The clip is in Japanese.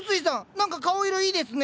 何か顔色いいですね。